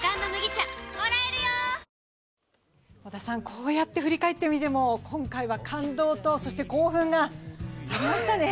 こうやって振り返ってみても、今回は感動と、そして興奮がありましたね。